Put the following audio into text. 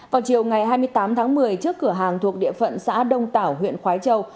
vào chiều ngày hai mươi tám tháng một mươi trước cửa hàng thuộc địa phận xã đông tảo huyện khói châu